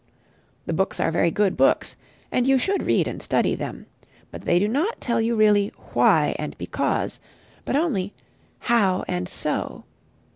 The books are very good books, and you should read and study them: but they do not tell you really "Why and Because," but only "How and So."